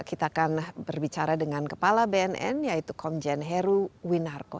kita akan berbicara dengan kepala bnn yaitu komjen heru winarko